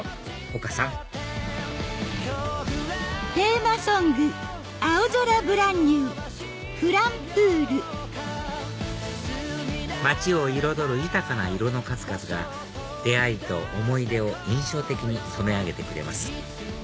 丘さん街を彩る豊かな色の数々が出会いと思い出を印象的に染め上げてくれます